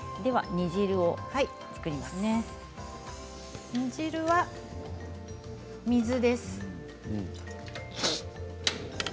煮汁は水です。